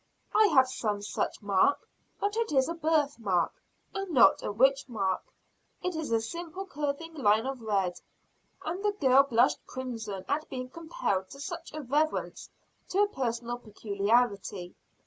"I have some such mark, but it is a birth mark, and not a witch mark. It is a simple curving line of red," and the girl blushed crimson at being compelled to such a reference to a personal peculiarity.